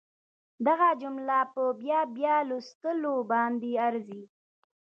دغه جمله په بیا بیا لوستلو باندې ارزي